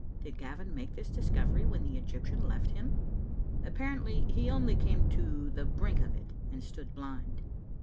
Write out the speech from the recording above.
Did Gavin make this discovery when the Egyptian left him? Apparently he only came to the brink of it and stood blind.